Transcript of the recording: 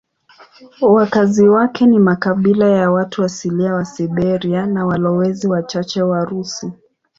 Wakazi wake ni makabila ya watu asilia wa Siberia na walowezi wachache Warusi.